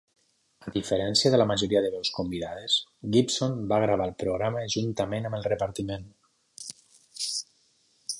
A diferència de la majoria de veus convidades, Gibson va gravar el programa juntament amb el repartiment.